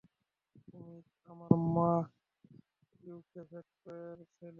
তুমি আমার মা ইওখেভেদ এর ছেলে।